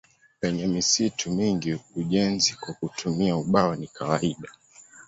Penye misitu mingi ujenzi kwa kutumia ubao ni kawaida.